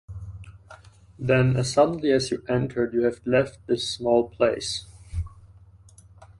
Then, as suddenly as you entered, you have left this small place.